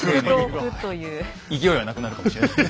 勢いはなくなるかもしれない。